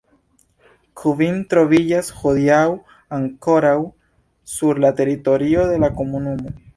Kvin troviĝas hodiaŭ ankoraŭ sur la teritorio de la komunumo.